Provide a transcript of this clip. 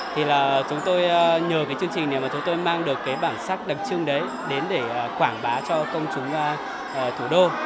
thì là chúng tôi nhờ cái chương trình này mà chúng tôi mang được cái bản sắc đặc trưng đấy đến để quảng bá cho công chúng thủ đô